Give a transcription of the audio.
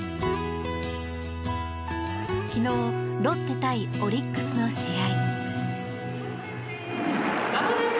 昨日ロッテ対オリックスの試合。